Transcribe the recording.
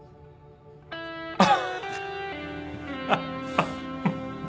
アハハハ。